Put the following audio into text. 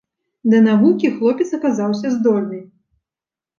Да навукі хлопец аказаўся здольны.